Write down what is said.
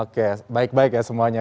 oke baik baik ya semuanya